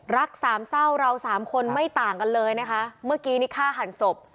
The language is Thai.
รักสามเศร้าเราสามคนไม่ต่างกันเลยนะคะเมื่อกี้นี่ฆ่าหันศพ